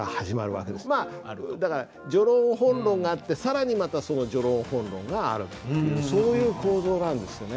だから序論・本論があって更にまた序論・本論があるっていうそういう構造なんですよね。